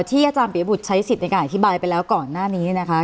ที่อาจารย์ปียบุตรใช้สิทธิ์ในการอธิบายไปแล้วก่อนหน้านี้นะคะ